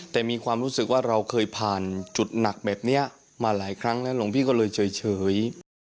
แต่มีความรู้สึกว่าเราเคยผ่านจุดหนักแบบนี้มาหลายครั้งแล้วหลวงพี่ก็เลยเฉย